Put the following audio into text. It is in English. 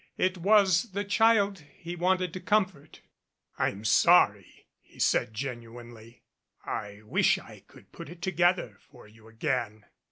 It was the child he wanted to comfort. "I'm sorry," he said genuinely. "I wish I could put it together for you again."